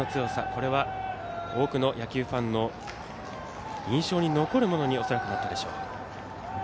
これは多くの野球ファンの印象に残るものになったでしょう。